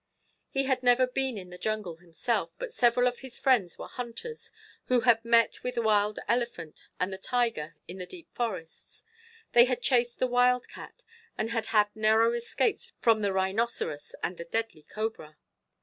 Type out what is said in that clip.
He had never been in the jungle himself, but several of his friends were hunters who had met the wild elephant and the tiger in the deep forests. They had chased the wildcat, and had had narrow escapes from the rhinoceros and the deadly cobra.